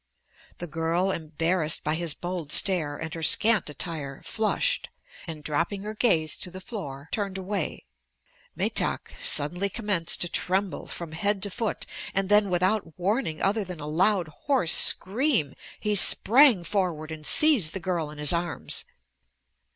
The girl, embarrassed by his bold stare and her scant attire, flushed and, dropping her gaze to the floor, turned away. Metak suddenly commenced to tremble from head to foot and then, without warning other than a loud, hoarse scream he sprang forward and seized the girl in his arms.